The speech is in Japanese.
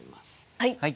はい！